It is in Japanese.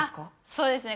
そうですね。